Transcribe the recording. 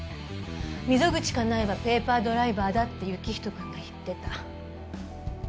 溝口カナエはペーパードライバーだって行人君が言ってた。